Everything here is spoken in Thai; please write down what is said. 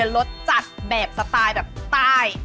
รสจัดแบบสไตล์แบบใต้